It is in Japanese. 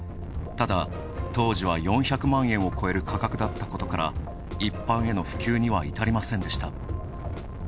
ただ、当時は４００万円を超える価格だったことから一般への普及には至りませんでした。